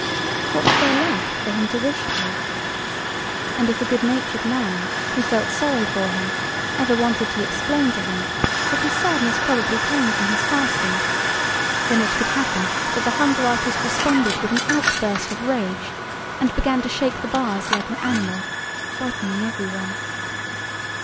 What was there left for him to wish for? And if a good natured man who felt sorry for him ever wanted to explain to him that his sadness probably came from his fasting, then it could happen that the hunger artist responded with an outburst of rage and began to shake the bars like an animal, frightening everyone.